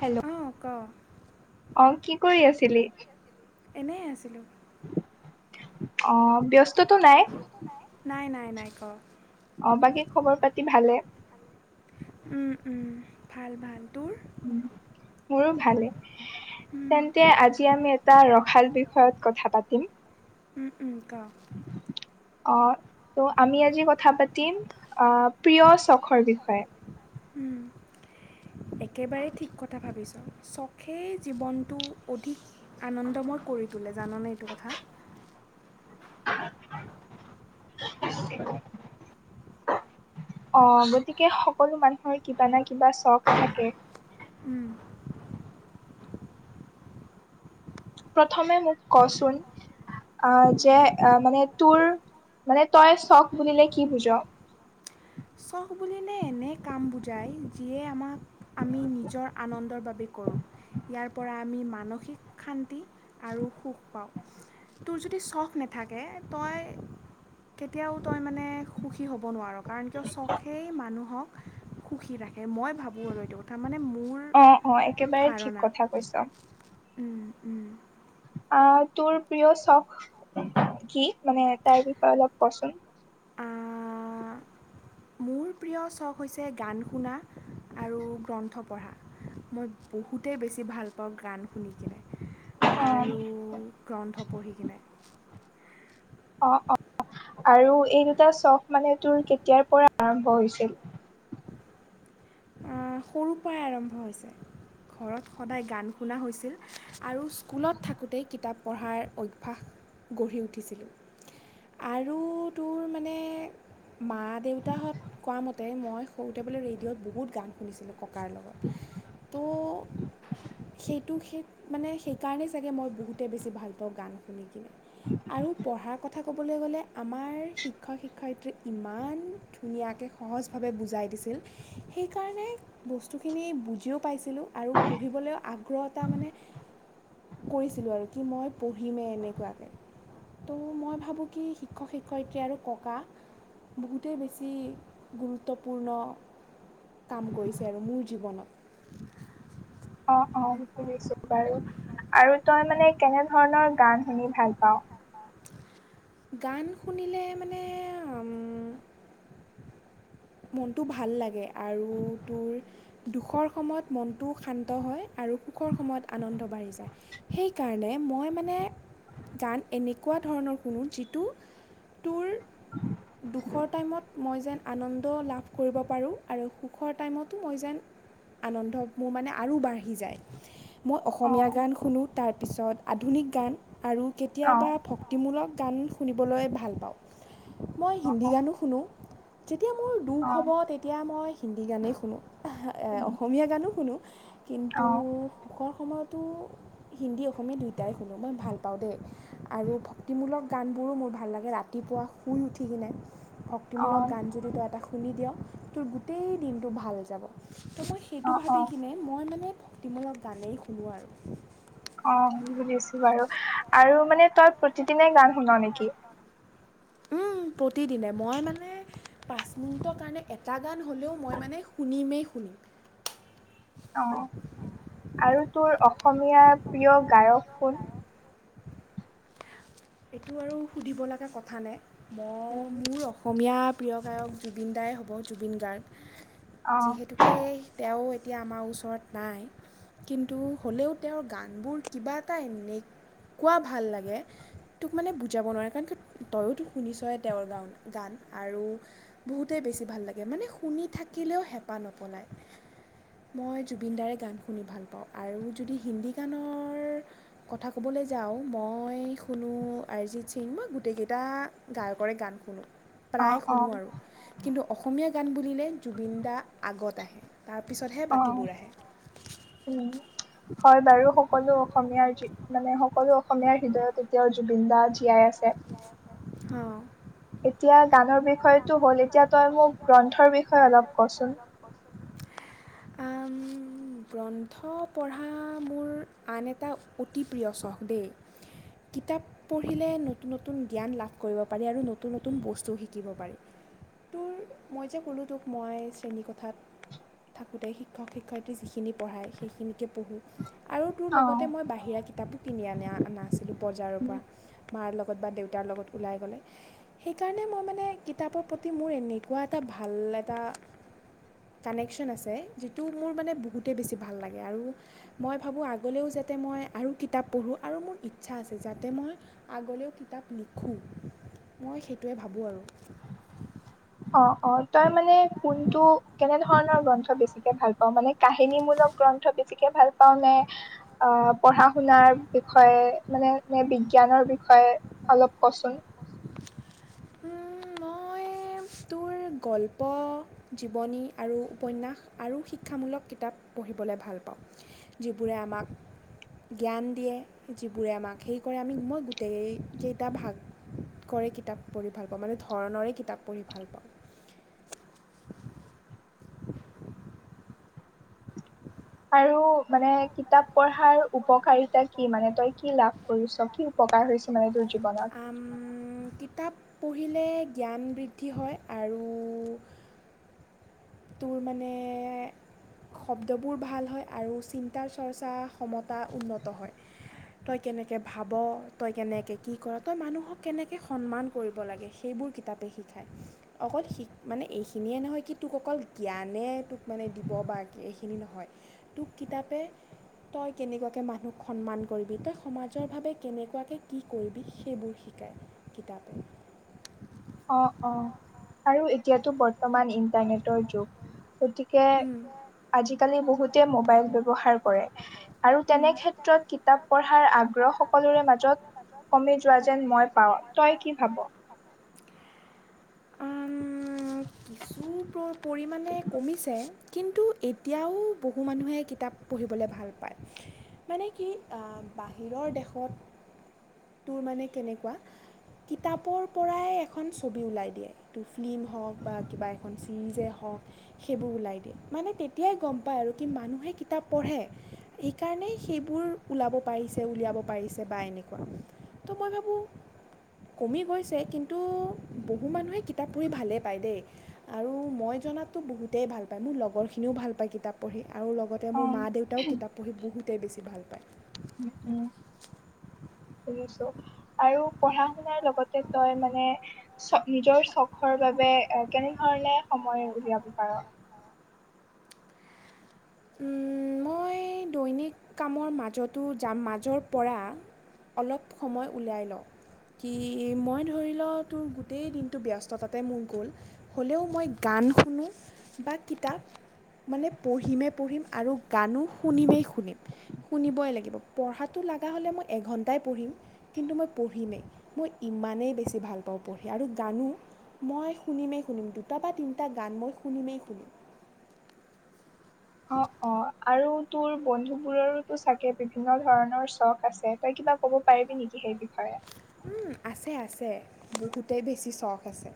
Hello অ কি কৰি আছিলি এনেইে আছিলোঁ আহ ব্যস্ততটো নাই নাই নাই নাই ক অ বাকী খবৰ পাতি ভালে ভাল ভাল মোৰো ভালেই তেন্তে আজি আমি এটা াল বিষয়ত কথা পাতিম কওক অ ত' আমি আজি কথা পাতিম আহ প্ৰিয় চ খৰ বিষয়ে একেবাৰে ঠিক কথা ভাবিছোঁ চখেই জীৱনটো অধিক আনন্দময় কৰি তোলে জাননে এইটো কথা [inaudible] [inaudible] আহ গতিকে সকলো মানুহৰ কিবা না কিবা চখ থাকে প্ৰথমে মোক কচোন আহ যে মানে তোৰ মানে তই চখ বুলিলে কি বুজ চখ বুল নে এনে কাম বুজায় যিয়ে আমাক আমি নিজৰ আনন্দৰ বাবে কৰোঁ ইয়াৰ পৰা আমি ম মানসিক শান্তি আৰু সুখ পাওঁ তোৰ যদি চখ নাথাকে তই কেতিয়াও তই মানে সুখী হ'ব নোৱাৰো কিয় চখেই মানুহক সুখী ৰাখে মই ভাবোঁ আৰু এইটো কথা অ'অ 'একেবাৰে ঠিক কথা কৈছ। উম উম। আ তোৰ প্ৰিয় চখ কি মানে তাৰ বিষয়ে অলপ কচোন। অ' [inaudible] মোৰ প্ৰিয় চখ হৈছে গান শুনা আৰু গ্ৰন্থ পঢ়া, মই বহুতেই বেছি ভাল পাওঁ গান শুনিকেনে। আৰু গ্ৰন্থ পঢ়ি কিনে। অ, অ আৰু এই দুটা চখ মানে তোৰ কেতিয়াৰ পৰা আৰম্ভ হৈছিল। সৰুৰ পৰাই আৰম্ভ হৈছে, ঘৰত সদায় গান শুনা হৈছিল আৰু স্কুলত থাকোঁতেই কিতাপ পঢ়াৰ অভ্যাস গঢ়ি উঠিছিলোঁ আৰু তোৰ মানে মা দেউতাহঁত কোৱা মতে মই সৰুতে বোলে ৰেডিঅ'ত বহুত গান শুনিছিলোঁ ককাৰ লগত ত' সেইটো সেই মানে সেইকাৰণেই চাগে মই বহুতে বেছি ভাল পাওঁ গান শুনি কিনে। আৰু পঢ়াৰ কথা ক'বলৈ গ'লে আমাৰ শিক্ষক শিক্ষয়িত্ৰী ইমান ধুনীয়াকৈ সহজভাৱে বুজাই দিছিল, সেই সেইকাৰণে বস্তুখিনি বুজিও পাইছিলোঁ আৰু পঢ়িবলৈও আগ্ৰহ এটা মানে কৰিছিলোঁ আৰু কি মই হিমে এনেকুৱাকে। ত' মই ভাবোঁ কি শিক্ষক শিক্ষয়িত্ৰী আৰু ককা, বহুতেই বেছি গুৰুত্বপূৰ্ণ [inaudible] অ' অ' বুজিছো বাৰু আৰু তই মানে কেনে ধৰণৰ গান শুনি ভাল পাও। গান শুনিলে মানে মনটো ভাল লাগে আৰু তোৰ দুখৰ সময়ত মনটো শান্ত হয় আৰু সুখৰ সময়ত আনন্দ বাঢ়ি যায়। সেইকাৰণে মই মানে গান এনেকুৱা ধৰণৰ শুনো, যিটো তোৰ দুখৰ টাইমত মই যেন আনন্দ আনন্দ লাভ কৰিব পাৰোঁ আৰু সুখৰ টাইমতো মই যেন আনন্দ মোৰ মানে আৰু বাঢ়ি যায়। মই অসমীয়া গান শুনো তাত তাৰপিছত আধুনিক গান আৰু কেতিয়াবা ভক্তিমূলক গান শুনিবলৈ ভাল পাওঁ। মই হিন্দী গানো শুনো। যেতিয়া মোৰ দুখ হ'ব তেতিয়া মই হিন্দী গানেই শুনো, অসমীয়া গানো শুনো কিন্তু সুখৰ সময়ত তো হিন্দী অসমীয়া দুয়োটাই শুনো, মই ভাল পাওঁ দেই আৰু ভক্তিমূলক গানবোৰো মোৰ ভাল লাগে ৰাতিপুৱা শুই উঠি [unintelligible] ভক্তিমূলক গান। এটা শুনি দিয়ওঁ তোৰ গোটেই দিনটো ভাল যাব। তো মই সেইটো ভাবি কিনে মই মানে। ভক্তিমূলক গানেই শুনোঁ আৰু। অ' সুধিছো বাৰু আৰু মানে তই প্ৰতিদিনে গান শুন নেকি? প্ৰতিদিনে মই মানে পাঁচ মিনিটৰ কাৰণে এটা গান হ'লেও মই মানে শুনিমেই-শুনিম। অ' আৰু তোৰ অসমীয়া প্ৰিয় গায়ক কোন? এইটো আৰু সুধিব লগা কথা নে। মই মোৰ অসমীয়া প্ৰিয় গায়ক জুবিন দাই হ'ব জুবিন গাৰ্গ। যিহেতুকে তেওঁ। এতিয়া আমাৰ ওচৰত নাই কিন্তু হ'লেও তেওঁৰ গানবোৰ কিবা এটা এনেকুৱা ভাল লাগে। তোক মানে বুজাব নোৱাৰে কাৰণ তইয়োতো শুনিছয় তেওঁৰ গান-গান আৰু বহুতেই বেছি ভাল লাগে মানে শুনি থাকিলেও হেঁপাহ নপলায় মই জুবিন দাৰে গান শুনি ভাল পাওঁ, আৰু যদি হিন্দী গানৰ কথা ক'বলৈ যাওঁ মই নো অৰিজিত সিং মই গোটেইকেইটা গায়কৰে গান শুনো। প্ৰায় শুনো আৰু কিন্তু অসমীয়া গান বুলিলে জুবিন দা আগত আহে। তাৰপিছতহে বাকীবোৰ আহে। হয় বাৰু সকলো অসমীয়াৰ মানে সকলো অসমীয়াৰ হৃদয়ত কেতিয়াও জুবিন দা। জীয়াই আছে এতিয়া গানৰ বিষয়ত হ'ল এতিয়া তই মোক গ্ৰন্থৰ বিষয়ে অলপ কচোন। গ্ৰন্থ পঢ়া মোৰ আন এটা অতি প্ৰিয় চখ দেই, কিতাপ পঢ়িলে নতুন-নতুন জ্ঞান লাভ কৰিব পাৰি আৰু নতুন-নতুন বস্তু শিক শিকিব পাৰি তোৰ মই যে ক'লো তোক মই শ্ৰেণীকথাত থাকোঁতে শিক্ষক-শিক্ষয়িত্ৰী যিখিনি পঢ়ায় সেইখিনিকে পঢ়োঁ। আৰু তোৰ লগতে মই বাহিৰা কিতাপো কিনি আনি অনা আছিলোঁ। বজাৰৰ পৰা। মাৰ লগত বা দেউতাৰ লগত ওলাই গ'লে সেইকাৰণে মই মানে মানে কিতাপৰ প্ৰতি মোৰ এনেকুৱা এটা ভাল এটা কানেকশ্যন আছে, যিটো মোৰ মানে বহুতেই বেছি ভাল লাগে আৰু মই ভাবোঁ আগলৈও যাতে মই আৰু কিতাপ পঢ়োঁ আৰু মোৰ ইচ্ছা আছে যাতে মই আগলৈও কিতাপ লিখোঁ মই সেইটোৱে ভাবোঁ আৰু। অ, অ' তই মানে কোনটো কেনেধৰণৰ গ্ৰন্থ বেছিকে ভাল পাও মানে কাহিনী মূলক গ্ৰন্থ বেছিক ভাল পাও নে অহ পঢ়া শুনাৰ বিষয়ে মানে নে বিজ্ঞানৰ বিষয়ে অলপ কচোন। উম, মই টোৰ গল্প জীৱনী আৰু উপন্যাস আৰু শিক্ষামূলক কিতাপ পঢ়িবলৈ ভাল পাওঁ যিবোৰে আমাক জ্ঞান দিয়ে যিবোৰে আমাক সেই কৰে আমি মই গোটেইকেইটা ভাগৰে কিতাপ পঢ়ি ভাল পাওঁ মানে ধৰণৰে কিতাপ পঢ়ি ভাল পাওঁ। আৰু মানে কিতাপ পঢ়া পহাৰ উপকাৰিতা কি মানে তই কি লাভ কৰিছ কি উপকাৰ হৈছে। ম তজি, আম কিতাপ পঢ়িলে জ্ঞান বৃদ্ধি হয় আৰু। তোৰ মানে শব্দবোৰ ভাল হয় আৰু চিন্তা চৰ্চা সমতা উন্নত হয়, তই কেনেকৈ ভাব তই কেনেকৈ কি কৰ তই মানুহক কেনেকৈ সন্মান কৰিব লাগে। সেইবোৰ কিতাপে শিকাই অকল শি মানে এইখিনিয়ে নহয় কি তোক অকল জ্ঞানে তোক মানে দিব বা এইখিনি নহয় তোক কিতাপে তই কেনেকুৱাকৈ মানুহক সন্মান কৰিবি তই সমাজৰ ভাৱে কেনেকুৱাকৈ কি কৰিবি সেইবোৰ শিকাই কিতাপে। অ অ। আৰু এতিয়াতো বৰ্তমান ই মানে তই যুগ গতিকে আজিকালি বহুতে মোবাইল ব্যৱহাৰ কৰে আৰু তেনে ক্ষেত্ৰত কিতাপ পঢ়াৰ আগ্ৰহ সকলোৰে মাজত কমি যোৱা যেন মই পাওঁ। তই কি ভাব? উম কিছু পৰিমাণে কমিছে। কিন্তু এতিয়াও বহু মানুহে কিতাপ পঢ়িবলৈ ভাল পায় মানে কি বাহিৰৰ দেশত তোৰ মানে কেনেকুৱা কিতাপৰ পৰাই এখন ছবি ওলাই দিয়ে। ফিল্ম হওক বা কিবা এখন চিৰিজে হও হক সেইবোৰ ওলাই দিয়ে মানে তেতিয়াই গম পায় আৰু কি মানুহে কিতাপ পঢ়ে এইকাৰণেই সেইবোৰ ওলাব পাৰিছে উলিয়াব পাৰিছে বা এনেকুৱা তো মই ভাবোঁ কমি গৈছে, কিন্তু বহু মানুহে কিতাপ পঢ়ি ভালেই পায় দেই। আৰু মই জনাতো বহুত তেই ভাল পায়। মোৰ লগৰখিনিও ভাল পায় কিতাপ পঢ়ি। আৰু লগতে মোৰ মা দেউতাও কিতাপ পঢ়ি বহুতে বেছি ভাল পায়। অ অ শুনিছো আৰু পঢ়া শুনাৰ লগতে তই মানে চ নিজৰ চখৰ বাবে এ কেনেধৰণে সময় উলিয়াব পাৰ? উম মই দৈনিক কামৰ মাজতো যাম মাজৰ পৰা অলপ সময় উলিয়াই লওঁ কি মই ধৰি লওঁ তোৰ গোটেই দিনটো ব্যস্ততাতে মোৰ গ'ল, হ'লেও মই গান শুনো বা কিতাপ মানে পঢ়িমেই পঢ়িম আৰু গানো শুনিমেই শুনিম, শুনিবই লাগিব পঢ়াটো লগা হ'লে মই এঘণ্টাই পঢ়িম কিন্তু মই পঢ়িমেই মই ইমানেই বেছি ভাল পাওঁ পঢ়ি আৰু গানো মই শুনিমেই শুনিম দুটা বা তিনিটা গান মই শুনিমেই শুনিম। অ অ আৰু তোৰ বন্ধুবোৰৰোতো চাগে বিভিন্ন ধৰণৰ চখ আছে, তই কিবা ক'ব পাৰিবি নেকি সেই বিষয়ে। উম আছে আছে বহুতেই বেছি চখ আছে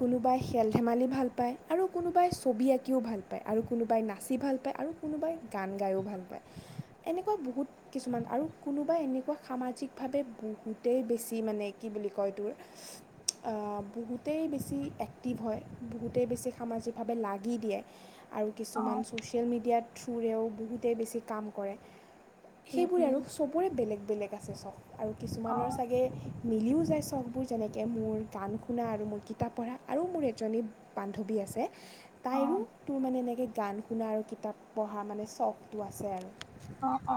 কোনোবাই খেল ধেমালি ভাল পায় আৰু কোনোবাই ছবি আঁকিও ভাল পায় আৰু কোনোবাই নাচি ভাল পায় আৰু কোনোবাই গান গায়ো ভাল পায় এনেকুৱা বহুত কিছুমান আৰু কোনোবাই এনেকুৱা সামাজিকভাৱে বহুত বহুতেই বেছি মানে কি বুলি কয় তোৰ বহুতেই বেছি এক্টিভ হয় বহুতেই বেছি সামাজিকভাৱে লাগি দিয়ে। আৰু কিছুমান ছ'চিয়েল মিডিয়াত থ্ৰুৰেও বহুতেই বেছি কাম কৰে। সেইবোৰে আৰু চবৰে বেলেগ বেলেগ। আছে চখ। আৰু কিছুমানৰ মিলিও যায় চখবোৰ যেনেকৈ মোৰ গান শুনা আৰু মোৰ কিতাপ পঢ়া আৰু মোৰ এজনী বান্ধৱী আছে। তাইৰো তোৰ মানে এনেকে গান শুনা আৰু কিতাপ পঢ়া মানে চখটো আছে আৰু। আহ অ।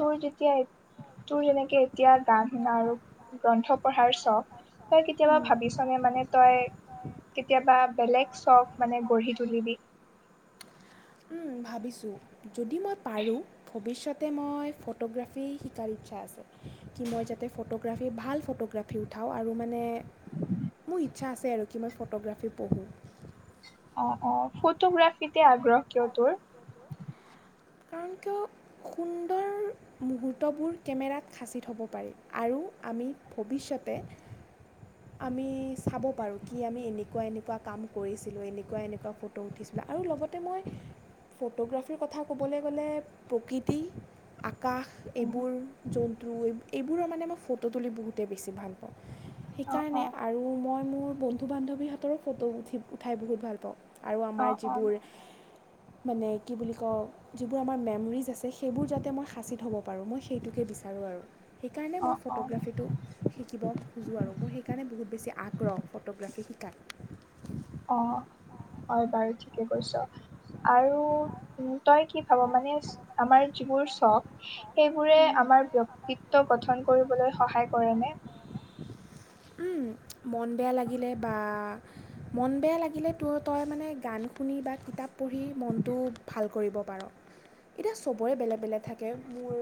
তোৰ যেতিয়া তোৰ যেনেকে এতিয়া গান শুনা আৰু গ্ৰন্থ পঢ়াৰ চখ। তই কেতিয়াবা ভাবিছনে মানে তই কেতিয়াবা বেলেগ চখ মানে গঢ়ি তুলিবি। উম ভাবিছোঁ যদি মই পাৰোঁ ভৱিষ্যতে মই ফটোগ্ৰাফী শিকাৰ ইচ্ছা আছে, কি মই যাতে ফটোগ্ৰাফী ভাল ফটোগ্ৰাফী উঠাওঁ আৰু মানে মোৰ ইচ্ছা আছে আৰু কি মই ফটোগ্ৰাফী পঢ়োঁ। অ অ ফটোগ্ৰাফীতে আগ্ৰহ কিয় তোৰ? কাৰণ কিয় সুন্দৰ মুহূৰ্তবোৰ কেমেৰাত সাঁচি থ'ব পাৰি আৰু আমি ভৱিষ্যতে আমি চাব পাৰোঁ কি আমি এনেকুৱা এনে। পোৱা কাম কৰিছিলোঁ এনেকুৱা এনেকুৱা ফটো উঠিছিলোঁ আৰু লগতে মই। ফটোগ্ৰাফীৰ কথা ক'বলৈ গ'লে প্ৰকৃতি। কাষ এইবোৰ জ। ত এইবোৰৰ মানে মই ফটো তুলি বহুতেই বেছি ভালপাওঁ সেইকাৰণে আৰু মই। মোৰ বন্ধু বান্ধৱী হাতৰো ফটো উঠি উঠাই বহুত ভাল পাওঁ। আৰু আমাৰ যিবোৰ। মানে কি বুলি কওঁ যিবোৰ আমাৰ মেমৰিজ আছে সেইবোৰ যাতে মই শাঁচি হ'ব পাৰোঁ মই সেইটোকে বিচাৰোঁ আৰু। সেইকাৰণে মই ফটোগ্ৰাফীটো শিকিব খোজোঁ আৰু মোৰ সেইকাৰণে বহুত বেছি আগ্ৰহ ফটোগ্ৰাফী শিকা কাক অ' হয় বাৰু ঠিকে কৈছ আৰু তই কি? ভাব মানে আমাৰ যিবোৰ চখ সেইবোৰে আমাৰ ব্যক্তিত্ব গঠন কৰিবলৈ সহায় কৰে নে। মন বেয়া লাগিলে বা মন বেয়া লাগিলে তোৰ তই মানে গান শুনি বা কিতাপ পঢ়ি মনটো ভাল কৰিব পাৰ এতিয়া চবৰে বেলেগ বেলেগ থাকে মোৰ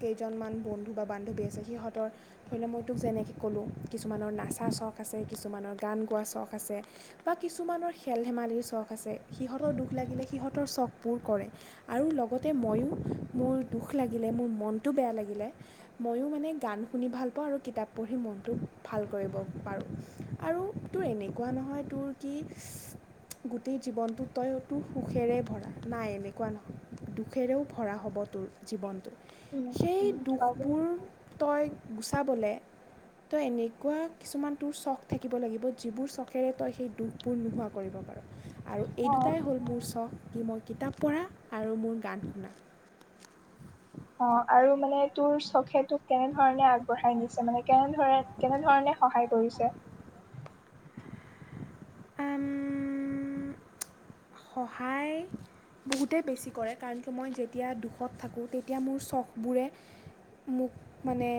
কেইজনমান বন্ধু বা বান্ধৱী আছে সিহঁতৰ ধৰি লও মই তোক যেনেকৈ ক'। কিছুমানৰ নাচা চখ আছে। কিছুমানৰ গান গোৱাৰ চখ আছে বা কিছুমানৰ খেল ধেমালিৰ চখ আছে সিহঁতৰ দুখ লাগিলে সিহঁতৰ চখ পোৰ কৰে আৰু লগতে ময়ো মোৰ দুখ লাগিলে মোৰ মনটো বেয়া লাগিলে ময়ো মানে গান শুনি ভাল পাওঁ আৰু কিতাপ পঢ়ি মনটো। ভাল কৰিব পাৰোঁ আৰু তোৰ এনেকুৱা নহয় তোৰ কি গোটেই জীৱনটো তইতোৰ সুখেৰে ভৰা নাই এনেকুৱা নহয় দুখেৰেও ভৰা হ'ব তোৰ জীৱনটোত সেই দুখবোৰ তই। গুচাবলৈ। তই এনেকুৱা কিছুমান তোৰ চখ থাকিব লাগিব যিবোৰ চখেৰে তই সেই দুখবোৰ নোহোৱা কৰিব পাৰ। আৰু এই দুটাই হ'ল মোৰ চখ কি মই কিতাপ পঢ়া আৰু মোৰ গান শুনা। অ' আৰু মানে তোৰ চখে তোক কেনেধৰণে আগবঢ়াই নিছে মানে কেনেধ কেনেধৰণে সহায় কৰিছে। এম, সহায় বহুতেই বেছি কৰে কাৰণ ক মই যেতিয়া দুখত থাকোঁ তেতিয়া মোৰ চখবোৰে মোক মানে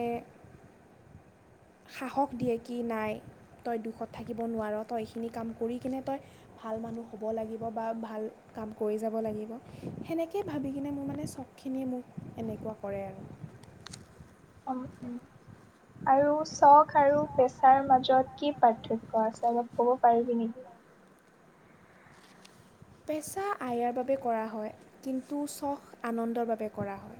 সাহস দিয়ে কি নাই তই দুখত থাকিব নোৱাৰ তই এইখিনি কাম কৰি কিনে তই ভাল মানুহ হ'ব লাগিব বা ভাল কাম কৰি যাব লাগিব সেনেকেই ভাবি কিনে মোৰ মানে চখখিনিয়ে মোক এনেকুৱা কৰে আৰু আৰু চখ আৰু পেছাৰ মাজত কি পাৰ্থক্য আছে অলপ ক'ব পাৰিবি নেকি? পেচা আয়াৰ বাবে কৰা হয় কিন্তু চখ আনন্দৰ বাবে কৰা হয়